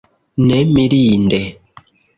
Ne mirinde!